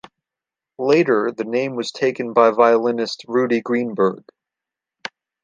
Later, the name was taken by violinist Rudy Greenberg.